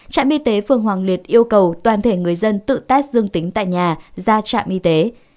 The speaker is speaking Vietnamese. trạm y tế phường hoàng liệt yêu cầu toàn thể người dân tự test dương tính tại nhà ra trạm y tế